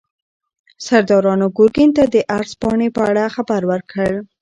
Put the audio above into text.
سردارانو ګورګین ته د عرض پاڼې په اړه خبر ورکړ.